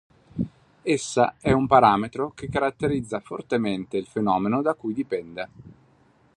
Essa è un parametro che caratterizza fortemente il fenomeno da cui dipende.